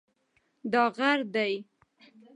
دا غر دی